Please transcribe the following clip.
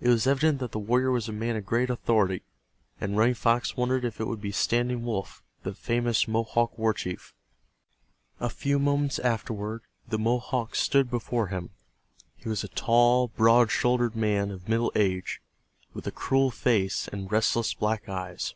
It was evident that the warrior was a man of great authority, and Running Fox wondered if it could be Standing Wolf, the famous Mohawk war chief. A few moments afterward the Mohawk stood before him. He was a tall, broad shouldered man of middle age, with a cruel face and restless black eyes.